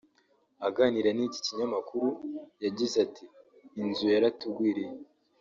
aganira n’iki kinyamakuru yagize ati “Inzu yaratugwiriye